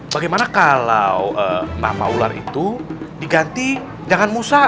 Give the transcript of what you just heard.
bagaimana kalau nama ular itu diganti jangan musa